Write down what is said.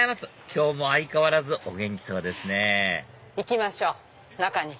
今日も相変わらずお元気そうですね行きましょう中に。